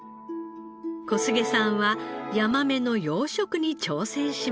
古菅さんはヤマメの養殖に挑戦しました。